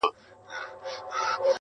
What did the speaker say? کنې دا زړه بېړی به مو ډوبېږي,